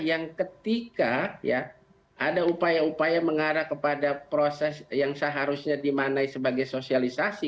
yang ketika ada upaya upaya mengarah kepada proses yang seharusnya dimanai sebagai sosialisasi